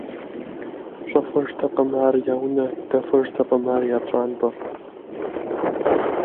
ЩӀэхуэжтэкъым ар я унэ, дэхуэжтэкъым я пщӀантӀэ.